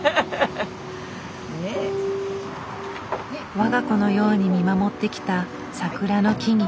我が子のように見守ってきた桜の木々。